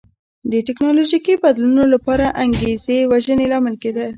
د ټکنالوژیکي بدلونونو لپاره انګېزې وژنې لامل کېده.